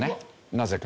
なぜか。